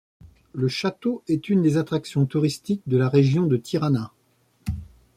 Le château est une des attractions touristiques de la région de Tirana.